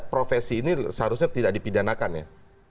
profesi ini seharusnya tidak dipidanakan ya